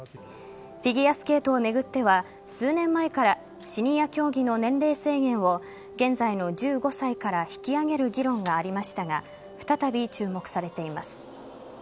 フィギュアスケートを巡っては数年前からシニア競技の年齢制限を現在の１５歳から引き上げる議論がありましたが再び注目されています。